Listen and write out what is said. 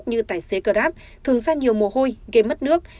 như tài xế grab thường ra nhiều mồ hôi gây mất nước